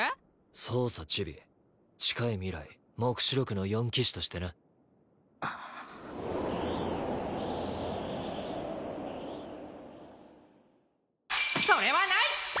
そうさチビ近い未来黙示録の四騎士としてなそれはない！